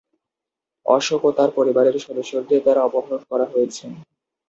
অশোক ও তার পরিবারের সদস্যদের দ্বারা অপহরণ করা হয়েছে।